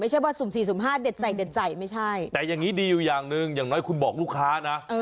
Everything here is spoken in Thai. ไม่ใช่ว่า๐๔๕เด็ดใจไม่ใช่แต่อย่างงี้ดีอย่างหนึ่งอย่างน้อยคุณบอกลูกค้านะ